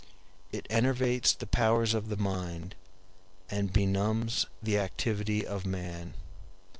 It enervates the powers of the mind, and benumbs the activity of man.